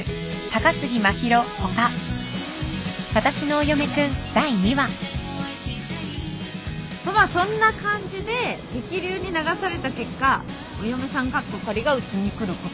お？とまあそんな感じで激流に流された結果お嫁さんがうちに来ることになりました。